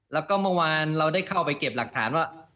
แล้วก็เมื่อวานเราได้เข้าไปเก็บหลักฐานว่า